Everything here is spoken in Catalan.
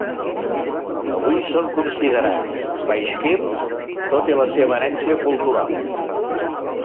Avui són considerats baixkirs tot i la seva herència cultural.